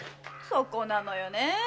そこなのよねぇ！